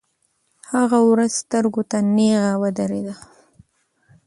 هغه ورځ سترګو ته نیغه ودرېده.